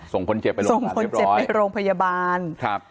ส่งคนเจ็บไปโรงพยาบาลเรียบร้อยส่งคนเจ็บไปโรงพยาบาล